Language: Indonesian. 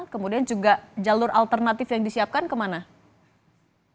kemudian juga jalur alternatif yang disiapkan kemana